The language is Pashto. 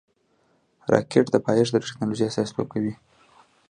راکټ د پایښت د ټېکنالوژۍ استازیتوب کوي